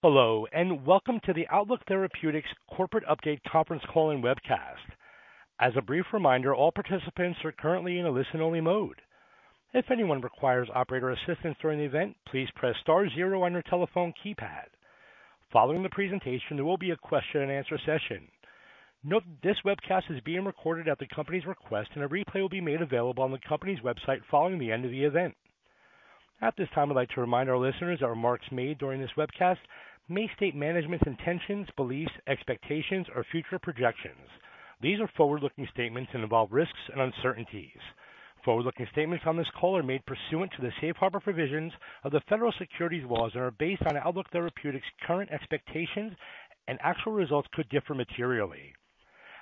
Hello, and welcome to the Outlook Therapeutics Corporate Update Conference Call and Webcast. As a brief reminder, all participants are currently in a listen-only mode. If anyone requires operator assistance during the event, please press star zero on your telephone keypad. Following the presentation, there will be a question-and-answer session. Note, this webcast is being recorded at the company's request, and a replay will be made available on the company's website following the end of the event. At this time, I'd like to remind our listeners that remarks made during this webcast may state management's intentions, beliefs, expectations, or future projections. These are forward-looking statements and involve risks and uncertainties. Forward-looking statements on this call are made pursuant to the safe harbor provisions of the Federal Securities laws and are based on Outlook Therapeutics' current expectations, and actual results could differ materially.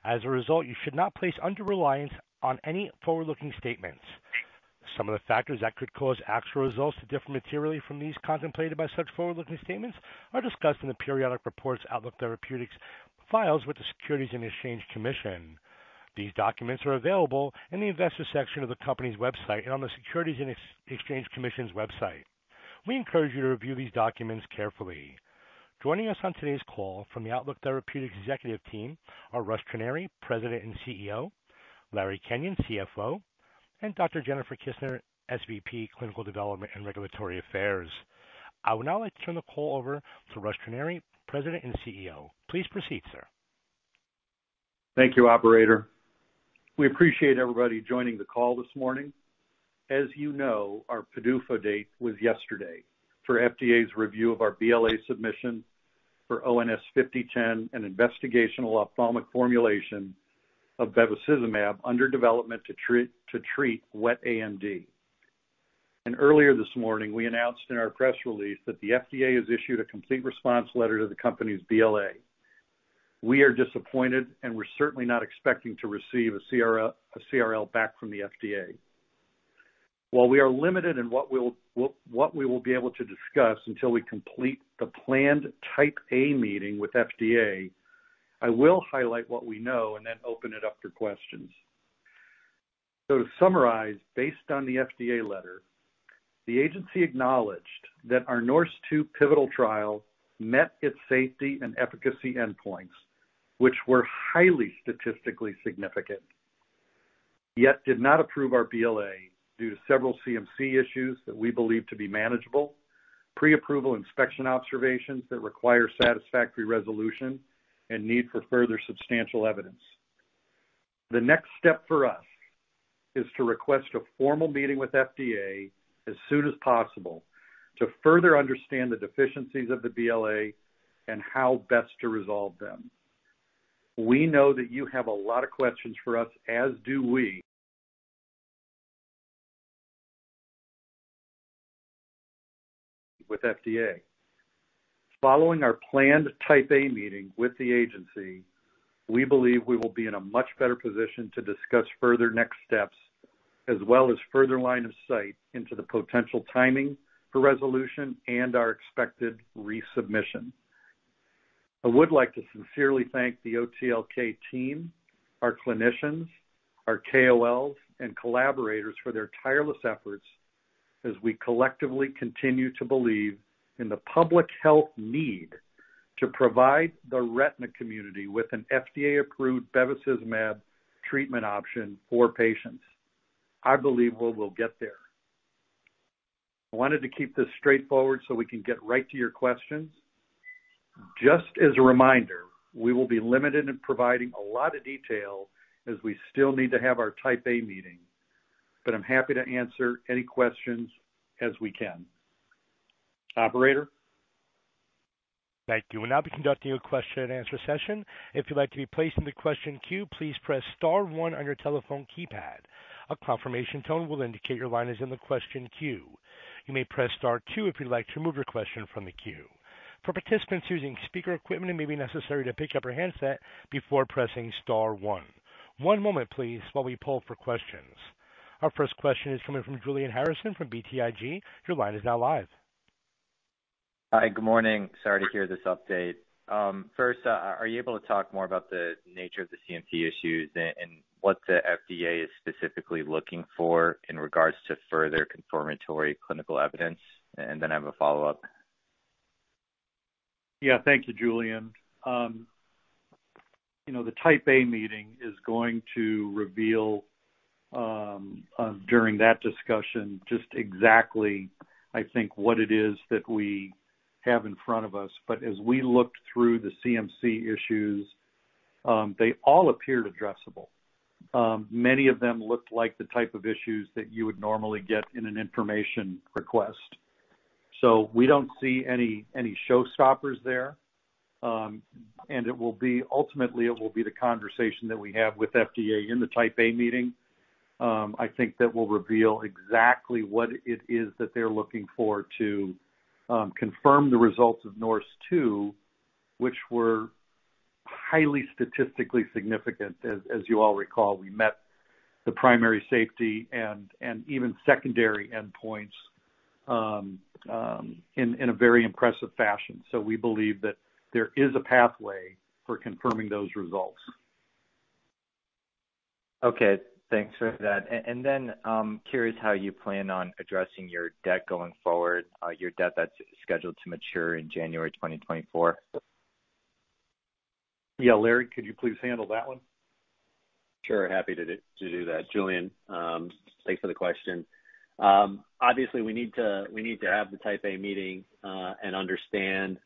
As a result, you should not place undue reliance on any forward-looking statements. Some of the factors that could cause actual results to differ materially from these contemplated by such forward-looking statements are discussed in the periodic reports Outlook Therapeutics files with the Securities and Exchange Commission. These documents are available in the investor section of the company's website and on the Securities and Exchange Commission's website. We encourage you to review these documents carefully. Joining us on today's call from the Outlook Therapeutics executive team are Russ Trenary, President and CEO; Larry Kenyon, CFO; and Dr. Jennifer Kissner, SVP, Clinical Development and Regulatory Affairs. I would now like to turn the call over to Russ Trenary, President and CEO. Please proceed, sir. Thank you, operator. We appreciate everybody joining the call this morning. As you know, our PDUFA date was yesterday for FDA's review of our BLA submission for ONS-5010, an investigational ophthalmic formulation of bevacizumab under development to treat wet AMD. Earlier this morning, we announced in our press release that the FDA has issued a complete response letter to the company's BLA. We are disappointed, and we're certainly not expecting to receive a CRL back from the FDA. While we are limited in what we will be able to discuss until we complete the planned Type A meeting with FDA, I will highlight what we know and then open it up for questions. So to summarize, based on the FDA letter, the agency acknowledged that our NORSE TWO pivotal trial met its safety and efficacy endpoints, which were highly statistically significant, yet did not approve our BLA due to several CMC issues that we believe to be manageable, pre-approval inspection observations that require satisfactory resolution, and need for further substantial evidence. The next step for us is to request a formal meeting with FDA as soon as possible to further understand the deficiencies of the BLA and how best to resolve them. We know that you have a lot of questions for us, as do we, with FDA. Following our planned Type A meeting with the agency, we believe we will be in a much better position to discuss further next steps, as well as further line of sight into the potential timing for resolution and our expected resubmission. I would like to sincerely thank the OTLK team, our clinicians, our KOLs, and collaborators for their tireless efforts as we collectively continue to believe in the public health need to provide the retina community with an FDA-approved bevacizumab treatment option for patients. I believe we will get there. I wanted to keep this straightforward so we can get right to your questions. Just as a reminder, we will be limited in providing a lot of detail as we still need to have our Type A meeting, but I'm happy to answer any questions as we can. Operator? Thank you. We'll now be conducting a question-and-answer session. If you'd like to be placed in the question queue, please press star one on your telephone keypad. A confirmation tone will indicate your line is in the question queue. You may press star two if you'd like to remove your question from the queue. For participants using speaker equipment, it may be necessary to pick up your handset before pressing star one. One moment, please, while we poll for questions. Our first question is coming from Julian Harrison from BTIG. Your line is now live. Hi, good morning. Sorry to hear this update. First, are you able to talk more about the nature of the CMC issues and what the FDA is specifically looking for in regards to further confirmatory clinical evidence? And then I have a follow-up. Yeah. Thank you, Julian. You know, the Type A meeting is going to reveal, during that discussion, just exactly, I think, what it is that we have in front of us. But as we looked through the CMC issues, they all appeared addressable. Many of them looked like the type of issues that you would normally get in an information request. So we don't see any, any showstoppers there. And it will be, ultimately, it will be the conversation that we have with FDA in the Type A meeting, I think that will reveal exactly what it is that they're looking for to, confirm the results of NORSE TWO, which were highly statistically significant. As you all recall, we met the primary safety and, and even secondary endpoints in a very impressive fashion. We believe that there is a pathway for confirming those results.... Okay, thanks for that. And then, curious how you plan on addressing your debt going forward, your debt that's scheduled to mature in January 2024? Yeah, Larry, could you please handle that one? Sure. Happy to do that. Julian, thanks for the question. Obviously, we need to have the Type A meeting and understand,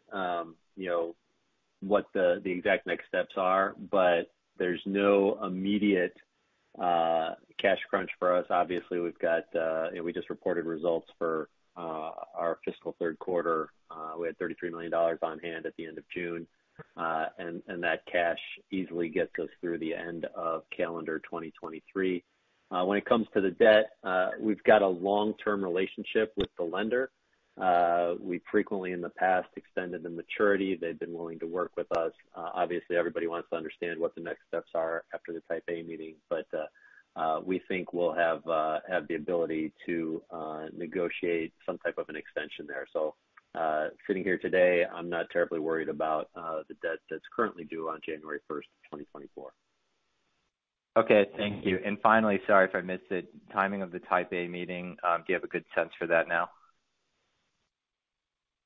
you know, what the exact next steps are, but there's no immediate cash crunch for us. Obviously, we've got, you know, we just reported results for our fiscal third quarter. We had $33 million on hand at the end of June, and that cash easily gets us through the end of calendar 2023. When it comes to the debt, we've got a long-term relationship with the lender. We frequently in the past extended the maturity. They've been willing to work with us. Obviously, everybody wants to understand what the next steps are after the Type A meeting, but we think we'll have, have the ability to negotiate some type of an extension there. So, sitting here today, I'm not terribly worried about the debt that's currently due on January 1st, 2024 Okay, thank you. And finally, sorry if I missed it, timing of the Type A meeting, do you have a good sense for that now?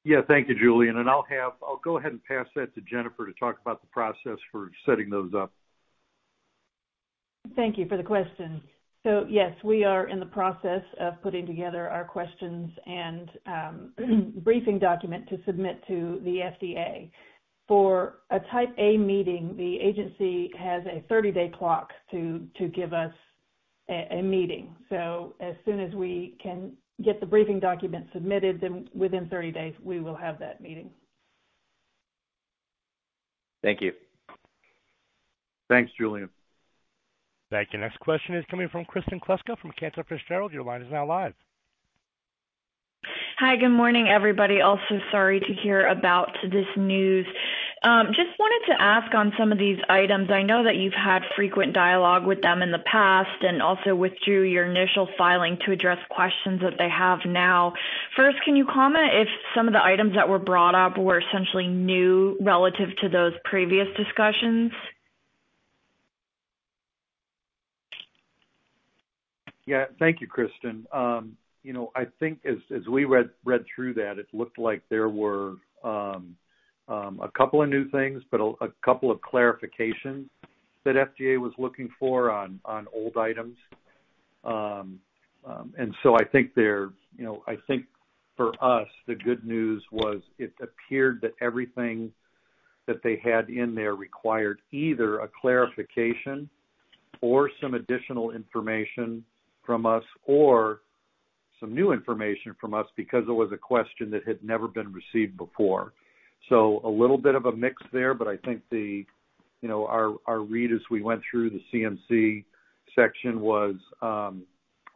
Yeah, thank you, Julian. I'll go ahead and pass that to Jennifer to talk about the process for setting those up. Thank you for the question. So yes, we are in the process of putting together our questions and briefing document to submit to the FDA, for a Type A meeting, the agency has a 30-day clock to give us a meeting. So as soon as we can get the briefing document submitted, then within 30 days, we will have that meeting. Thank you. Thanks, Julian. Thank you. Next question is coming from Kristen Kluska from Cantor Fitzgerald. Your line is now live. Hi, good morning, everybody. Also, sorry to hear about this news. Just wanted to ask on some of these items, I know that you've had frequent dialogue with them in the past and also withdrew your initial filing to address questions that they have now. First, can you comment if some of the items that were brought up were essentially new relative to those previous discussions? Yeah, thank you, Kristen. You know, I think as we read through that, it looked like there were a couple of new things, but a couple of clarifications that FDA was looking for on old items. And so I think there, you know, I think for us, the good news was it appeared that everything that they had in there required either a clarification or some additional information from us, or some new information from us, because it was a question that had never been received before. So a little bit of a mix there, but I think the, you know, our read as we went through the CMC section was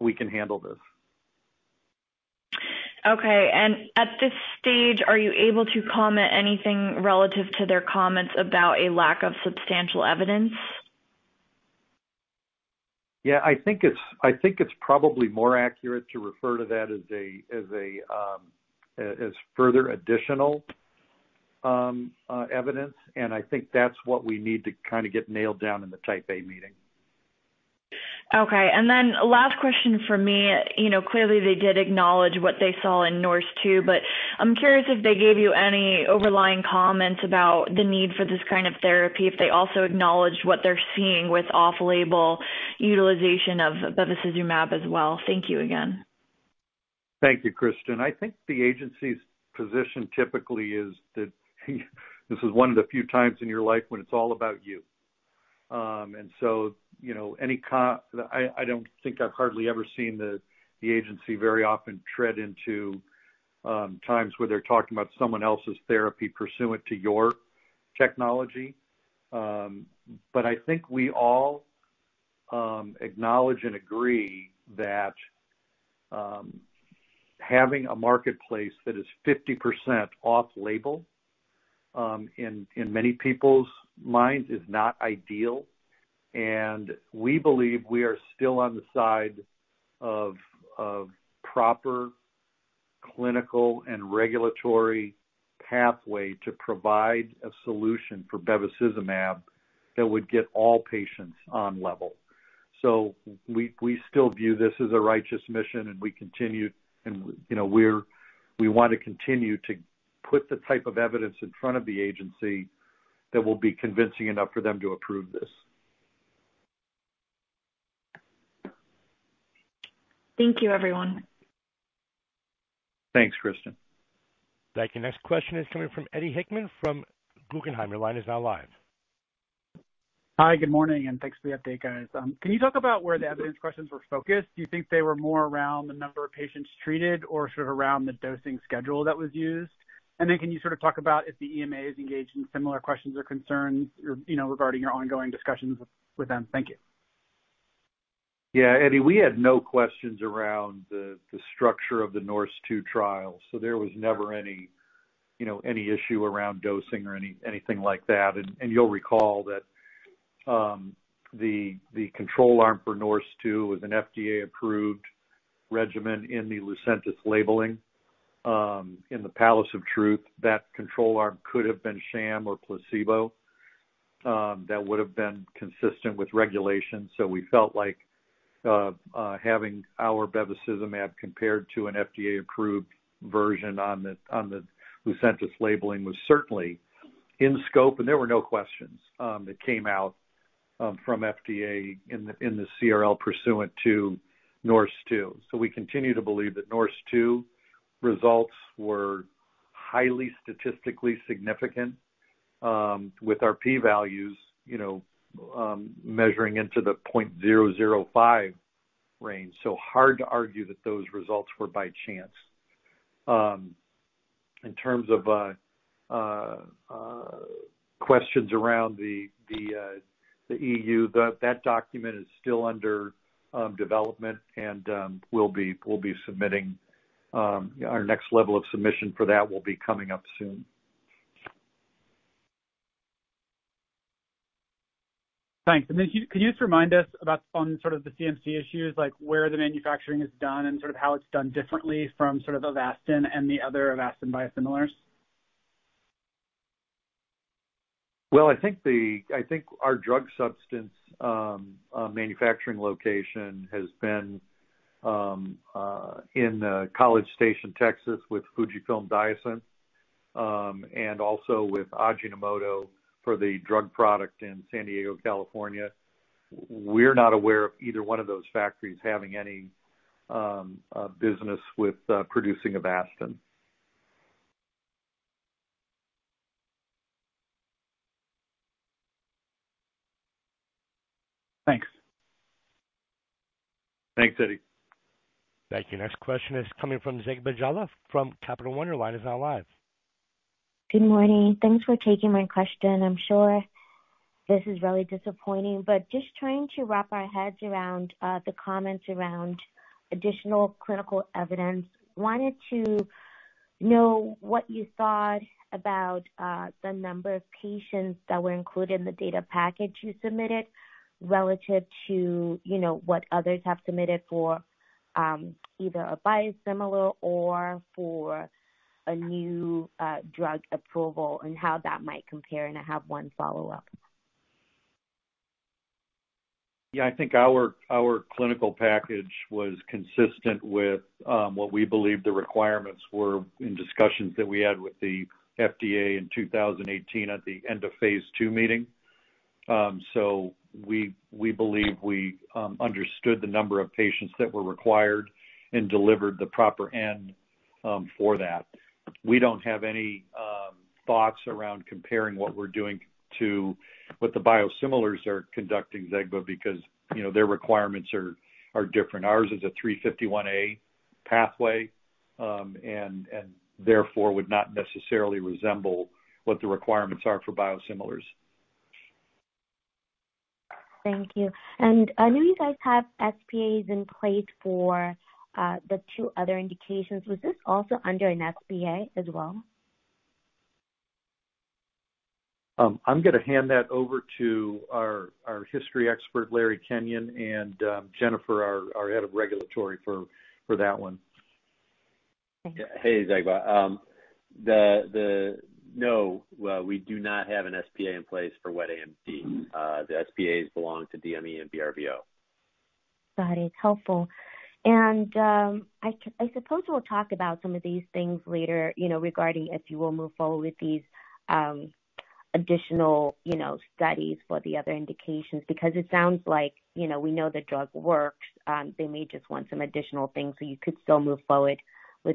we can handle this. Okay. At this stage, are you able to comment anything relative to their comments about a lack of substantial evidence? Yeah, I think it's probably more accurate to refer to that as further additional evidence, and I think that's what we need to kind of get nailed down in the Type A meeting. Okay. And then last question for me. You know, clearly they did acknowledge what they saw in NORSE TWO, but I'm curious if they gave you any overall comments about the need for this kind of therapy, if they also acknowledged what they're seeing with off-label utilization of bevacizumab as well. Thank you again. Thank you, Kristen. I think the agency's position typically is that this is one of the few times in your life when it's all about you. And so, you know, I, I don't think I've hardly ever seen the agency very often tread into times where they're talking about someone else's therapy pursuant to your technology. But I think we all acknowledge and agree that having a marketplace that is 50% off label, in many people's minds is not ideal. And we believe we are still on the side of proper clinical and regulatory pathway to provide a solution for bevacizumab that would get all patients on level. So we still view this as a righteous mission, and we continue, you know, we want to continue to put the type of evidence in front of the agency that will be convincing enough for them to approve this. Thank you, everyone. Thanks, Kristin. Thank you. Next question is coming from Eddie Hickman from Guggenheim. Your line is now live. Hi, good morning, and thanks for the update, guys. Can you talk about where the evidence questions were focused? Do you think they were more around the number of patients treated or sort of around the dosing schedule that was used? And then can you sort of talk about if the EMA is engaged in similar questions or concerns, or, you know, regarding your ongoing discussions with them? Thank you. Yeah, Eddie, we had no questions around the structure of the NORSE TWO trial, so there was never any, you know, any issue around dosing or anything like that. And you'll recall that the control arm for NORSE TWO was an FDA-approved regimen in the Lucentis labeling. In the palace of truth, that control arm could have been sham or placebo, that would have been consistent with regulation. So we felt like having our bevacizumab compared to an FDA-approved version on the Lucentis labeling was certainly in scope, and there were no questions that came out from FDA in the CRL pursuant to NORSE TWO. So we continue to believe that NORSE TWO results were highly statistically significant with our p values, you know, measuring into the 0.005 range. So hard to argue that those results were by chance. In terms of questions around the EU, that document is still under development, and we'll be submitting our next level of submission for that will be coming up soon. Thanks. And then can you just remind us about, on sort of the CMC issues, like where the manufacturing is done and sort of how it's done differently from sort of Avastin and the other Avastin biosimilars? Well, I think our drug substance manufacturing location has been in College Station, Texas, with Fujifilm Diosynth, and also with Ajinomoto for the drug product in San Diego, California. We're not aware of either one of those factories having any business with producing Avastin. Thanks. Thanks, Eddie. Thank you. Next question is coming from Zegbeh Jallah from Capital One. Your line is now live. Good morning. Thanks for taking my question. I'm sure this is really disappointing, but just trying to wrap our heads around the comments around additional clinical evidence. Wanted to know what you thought about the number of patients that were included in the data package you submitted, relative to, you know, what others have submitted for either a biosimilar or for a new drug approval and how that might compare? And I have one follow-up. Yeah, I think our clinical package was consistent with what we believe the requirements were in discussions that we had with the FDA in 2018 at the end of phase II meeting. So we believe we understood the number of patients that were required and delivered the proper end for that. We don't have any thoughts around comparing what we're doing to what the biosimilars are conducting, Zegbeh, because, you know, their requirements are different. Ours is a 351(a) pathway and therefore would not necessarily resemble what the requirements are for biosimilars. Thank you. I know you guys have SPAs in place for the two other indications. Was this also under an SPA as well? I'm gonna hand that over to our history expert, Larry Kenyon, and Jennifer, our head of regulatory for that one. Thank you. Hey, Zegbeh. No, we do not have an SPA in place for wet AMD. The SPAs belong to DME and BRVO. Got it. It's helpful. And, I suppose we'll talk about some of these things later, you know, regarding if you will move forward with these, additional, you know, studies for the other indications, because it sounds like, you know, we know the drug works. They may just want some additional things, so you could still move forward with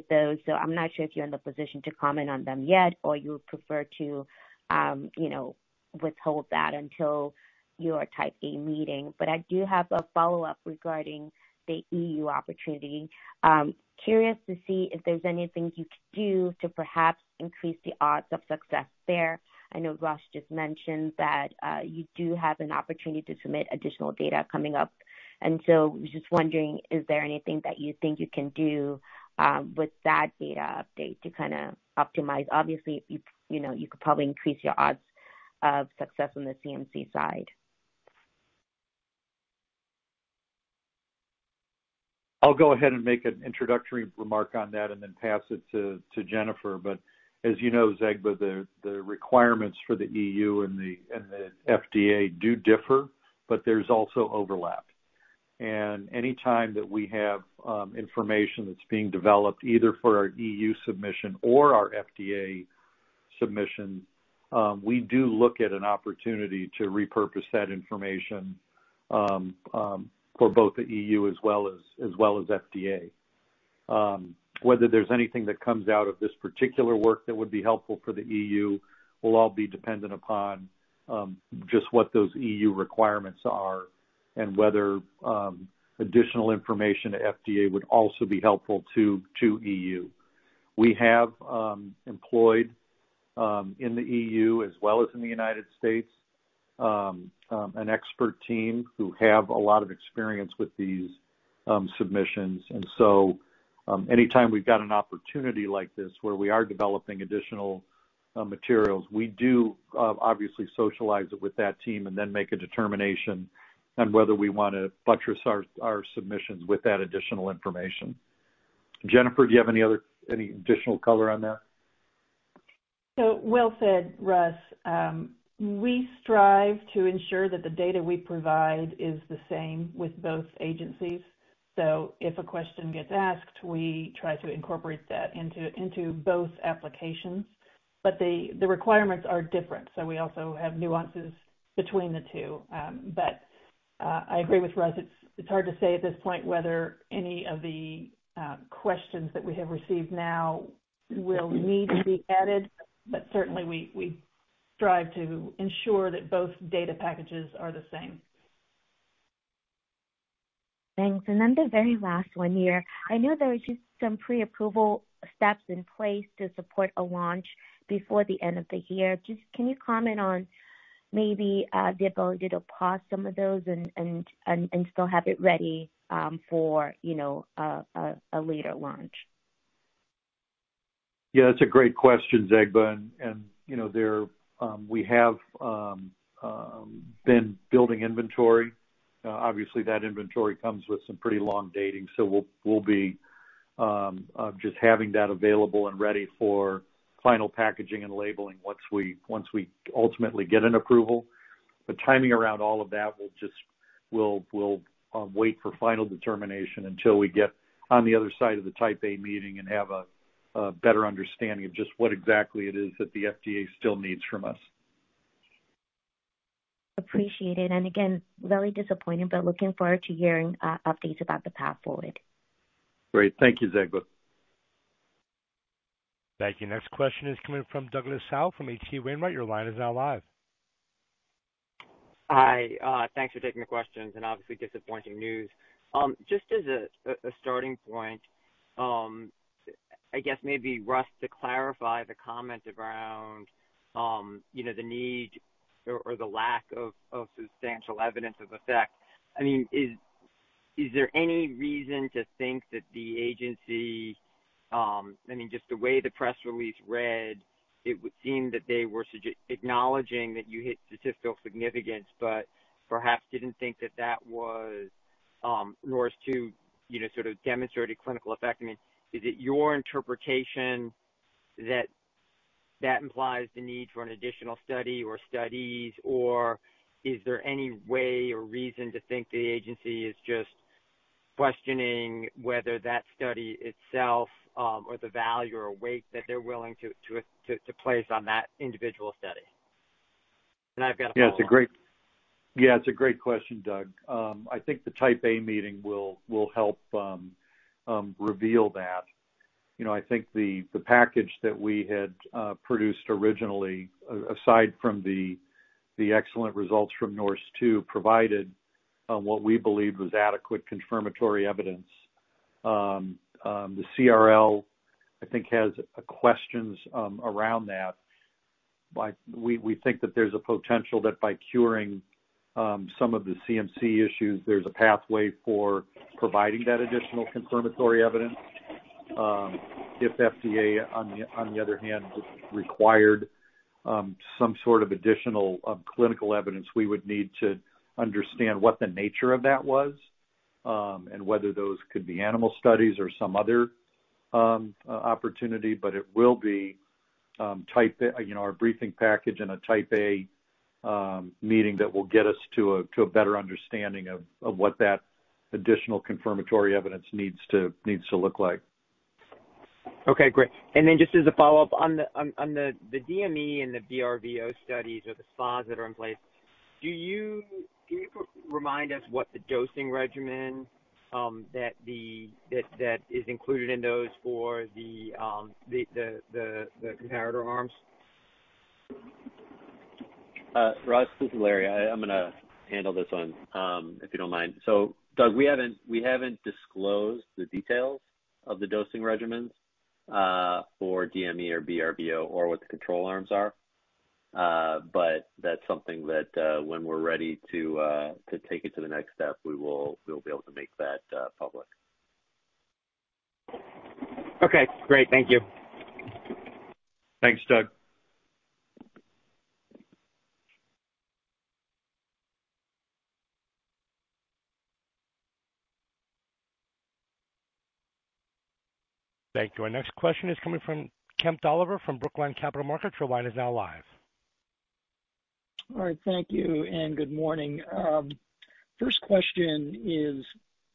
those. So I'm not sure if you're in the position to comment on them yet, or you would prefer to, you know, withhold that until your Type A meeting. But I do have a follow-up regarding the EU opportunity. Curious to see if there's anything you could do to perhaps increase the odds of success there. I know Russ just mentioned that, you do have an opportunity to submit additional data coming up, and so was just wondering, is there anything that you think you can do, with that data update to kind of optimize? Obviously, you, you know, you could probably increase your odds of success on the CMC side. I'll go ahead and make an introductory remark on that and then pass it to Jennifer. But as you know, Zegbeh, the requirements for the EU and the FDA do differ, but there's also overlap. And any time that we have information that's being developed, either for our EU submission or our FDA submission, we do look at an opportunity to repurpose that information for both the EU as well as FDA. Whether there's anything that comes out of this particular work that would be helpful for the EU will all be dependent upon just what those EU requirements are and whether additional information to FDA would also be helpful to EU. We have employed in the EU as well as in the United States an expert team who have a lot of experience with these submissions. So, anytime we've got an opportunity like this, where we are developing additional materials, we do obviously socialize it with that team and then make a determination on whether we want to buttress our submissions with that additional information. Jennifer, do you have any additional color on that? So well said, Russ. We strive to ensure that the data we provide is the same with both agencies. So if a question gets asked, we try to incorporate that into both applications, but the requirements are different, so we also have nuances between the two. But I agree with Russ, it's hard to say at this point whether any of the questions that we have received now will need to be added, but certainly we strive to ensure that both data packages are the same. Thanks. And then the very last one here, I know there are just some pre-approval steps in place to support a launch before the end of the year. Just, can you comment on maybe the ability to pause some of those and still have it ready for, you know, a later launch? Yeah, that's a great question, Zegbeh. You know, we have been building inventory. Obviously that inventory comes with some pretty long dating, so we'll, we'll be just having that available and ready for final packaging and labeling once we, once we ultimately get an approval. The timing around all of that will just. We'll, we'll wait for final determination until we get on the other side of the Type A meeting and have a better understanding of just what exactly it is that the FDA still needs from us. Appreciate it, and again, really disappointed, but looking forward to hearing updates about the path forward. Great. Thank you, Zegbeh. Thank you. Next question is coming from Douglas Tsao from H.C. Wainwright. Your line is now live. Hi, thanks for taking the questions, and obviously disappointing news. Just as a starting point, I guess maybe, Russ, to clarify the comment around, you know, the need or the lack of substantial evidence of effect. I mean, is there any reason to think that the agency... I mean, just the way the press release read, it would seem that they were acknowledging that you hit statistical significance, but perhaps didn't think that that was NORSE TWO, you know, sort of demonstrated clinical effect. I mean, is it your interpretation that that implies the need for an additional study or studies, or is there any way or reason to think the agency is just questioning whether that study itself, or the value or weight that they're willing to place on that individual study? I've got a follow-up. Yeah, it's a great question, Doug. I think the Type A meeting will help reveal that. You know, I think the package that we had produced originally, aside from the excellent results from NORSE TWO, provided what we believe was adequate confirmatory evidence. The CRL, I think, has questions around that. But we think that there's a potential that by curing some of the CMC issues, there's a pathway for providing that additional confirmatory evidence. If FDA, on the other hand, required some sort of additional clinical evidence, we would need to understand what the nature of that was, and whether those could be animal studies or some other opportunity. But it will be, you know, our briefing package and a Type A meeting that will get us to a better understanding of what that additional confirmatory evidence needs to look like. Okay, great. And then just as a follow-up, on the DME and the BRVO studies or the SPAs that are in place, can you remind us what the dosing regimen that is included in those for the comparator arms? Russ, this is Larry. I'm gonna handle this one, if you don't mind. So Doug, we haven't disclosed the details of the dosing regimens for DME or BRVO or what the control arms are. But that's something that, when we're ready to take it to the next step, we'll be able to make that public. Okay, great. Thank you. Thanks, Doug. Thank you. Our next question is coming from Kemp Dolliver from Brookline Capital Markets. Your line is now live. All right, thank you, and good morning. First question is: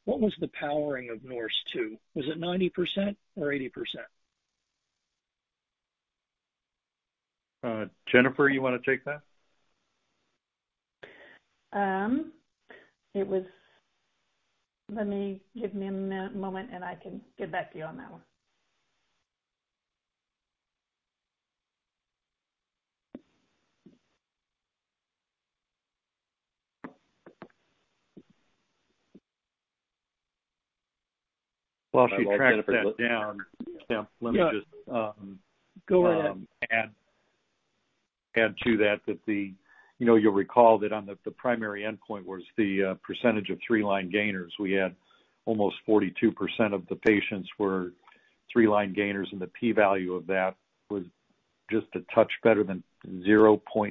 What was the powering of NORSE TWO? Was it 90% or 80%? Jennifer, you want to take that? It was... Let me give me a moment, and I can get back to you on that one. While she tracks that down, Kemp, let me just, Go ahead.... add to that, that the, you know, you'll recall that on the, the primary endpoint was the percentage of three line gainers. We had almost 42% of the patients were three line gainers, and the P value of that was just a touch better than 0.005.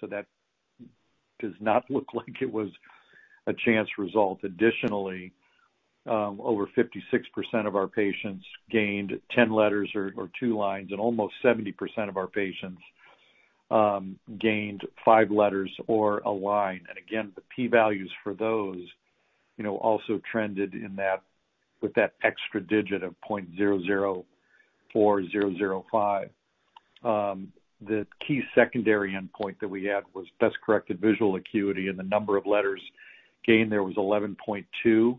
So that does not look like it was a chance result. Additionally, over 56% of our patients gained 10 letters or, or two lines, and almost 70% of our patients gained 5 letters or a line. And again, the P values for those, you know, also trended in that, with that extra digit of 0.004, 0.005. The key secondary endpoint that we had was best corrected visual acuity, and the number of letters gained there was 11.2.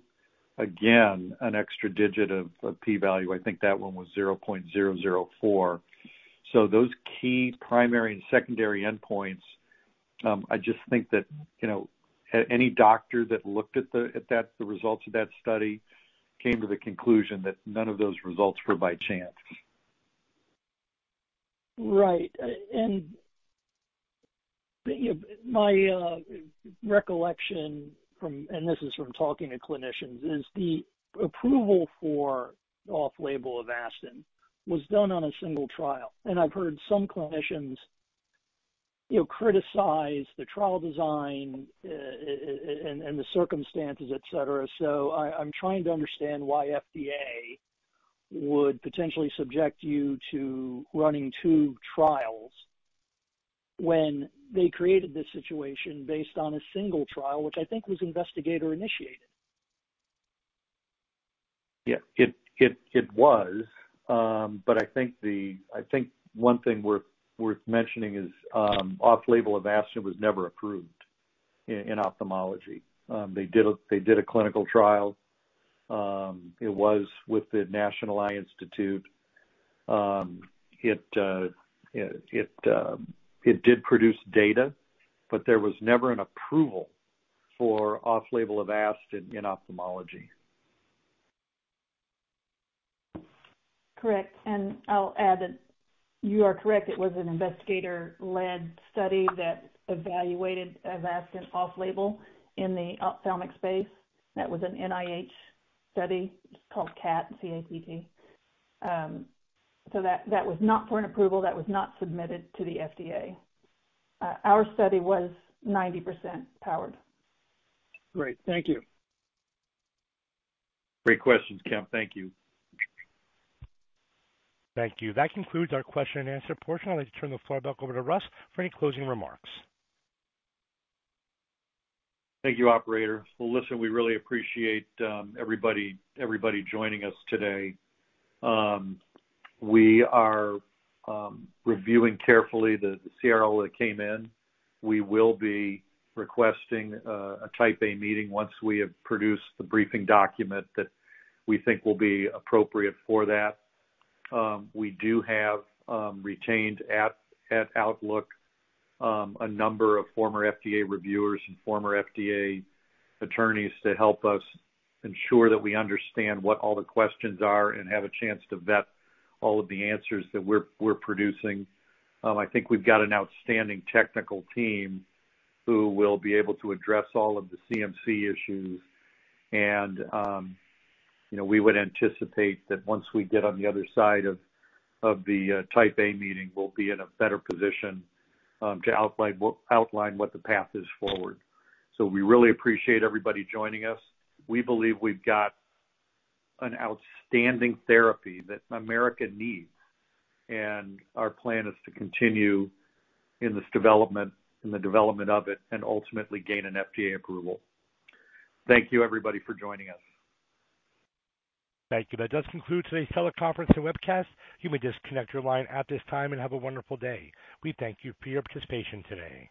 Again, an extra digit of, of P value. I think that one was 0.004. So those key primary and secondary endpoints, I just think that, you know, any doctor that looked at the results of that study came to the conclusion that none of those results were by chance. Right. And, you know, my recollection from, and this is from talking to clinicians, is the approval for off-label Avastin was done on a single trial. And I've heard some clinicians, you know, criticize the trial design, and the circumstances, et cetera. So I'm trying to understand why FDA would potentially subject you to running two trials when they created this situation based on a single trial, which I think was investigator-initiated. Yeah, it was. But I think one thing worth mentioning is off-label Avastin was never approved in ophthalmology. They did a clinical trial. It was with the National Eye Institute. It did produce data, but there was never an approval for off-label Avastin in ophthalmology. Correct. I'll add that you are correct. It was an investigator-led study that evaluated Avastin off-label in the ophthalmic space. That was an NIH study. It's called CATT, C-A-T-T. So that was not for an approval. That was not submitted to the FDA. Our study was 90% powered. Great. Thank you. Great questions, Kemp. Thank you. Thank you. That concludes our question and answer portion. I'd like to turn the floor back over to Russ for any closing remarks. Thank you, operator. Well, listen, we really appreciate everybody joining us today. We are reviewing carefully the CRL that came in. We will be requesting a Type A meeting once we have produced the briefing document that we think will be appropriate for that. We do have retained at Outlook a number of former FDA reviewers and former FDA attorneys to help us ensure that we understand what all the questions are and have a chance to vet all of the answers that we're producing. I think we've got an outstanding technical team who will be able to address all of the CMC issues. You know, we would anticipate that once we get on the other side of the Type A meeting, we'll be in a better position to outline what the path is forward. We really appreciate everybody joining us. We believe we've got an outstanding therapy that America needs, and our plan is to continue in this development, in the development of it and ultimately gain an FDA approval. Thank you, everybody, for joining us. Thank you. That does conclude today's teleconference and webcast. You may disconnect your line at this time and have a wonderful day. We thank you for your participation today.